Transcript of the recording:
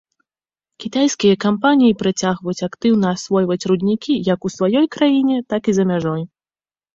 Кітайскія кампаніі працягваюць актыўна асвойваць руднікі як у сваёй краіне, так і за мяжой.